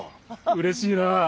うれしいなぁ。